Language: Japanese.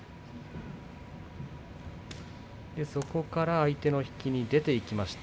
そこから相手の引きに出ていきました